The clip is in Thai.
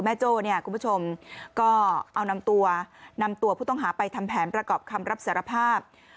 โจ้เนี่ยคุณผู้ชมก็เอานำตัวนำตัวผู้ต้องหาไปทำแผนประกอบคำรับสารภาพ